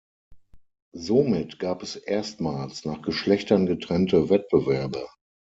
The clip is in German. Somit gab es erstmals nach Geschlechtern getrennte Wettbewerbe.